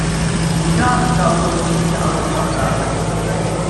而家唔夠句子搞錄音喇